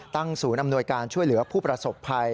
ศูนย์อำนวยการช่วยเหลือผู้ประสบภัย